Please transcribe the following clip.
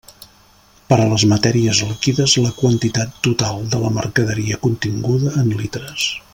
Per a les matèries líquides, la quantitat total de la mercaderia continguda en litres.